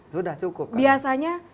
sudah cukup biasanya